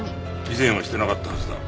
以前はしてなかったはずだ。